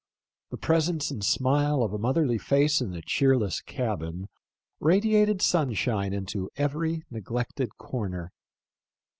The presence and smile of a motherly face in the cheer less cabin radiated sunshine into every neglected corner.